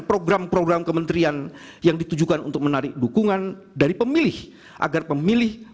program program kementerian yang ditujukan untuk menarik dukungan dari pemilih agar pemilih